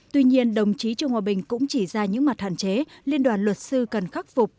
tuy nhiên đồng chí trương hòa bình cũng chỉ ra những mặt hạn chế liên đoàn luật sư cần khắc phục